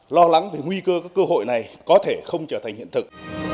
lo lắng về nguy cơ các cơ hội này có thể không trở thành hiện thực